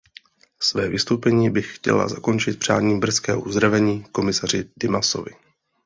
Své vystoupení bych chtěla zakončit přáním brzkého uzdravení komisaři Dimasovi.